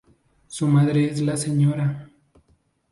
Su madre es la Sra.